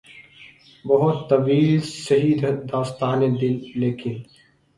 بہت طویل سہی داستانِ دل ، لیکن